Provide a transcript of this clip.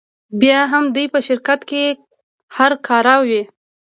بیا هم دوی په شرکت کې هر کاره وي